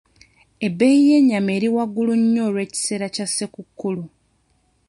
Ebbeeyi y'ennyama eri waggulu nnyo olw'ekiseera kya Ssekukkulu.